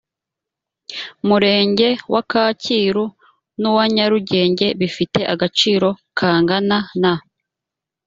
murenge wa kacyiru n uwa nyarugenge bifite agaciro kangana na